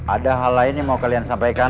ada hal lain yang mau kalian sampaikan